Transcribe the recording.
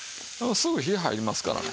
すぐ火入りますからね。